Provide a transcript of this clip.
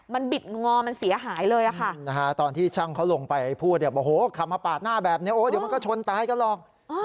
มันบิดงอมันเสียหายเลยค่ะตอนที่ช่างเขาลงไปพูดเนี่ยโอ้โหขับมาปาดหน้าแบบนี้โอ้เดี๋ยวมันก็ชนตายกันหรอก